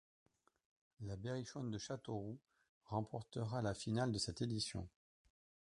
La Berrichonne de Châteauroux remportera la finale de cette édition.